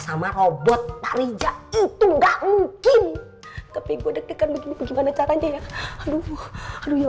sama robot pak rija itu nggak mungkin tapi gua deg degan buka gimana caranya ya aduh ya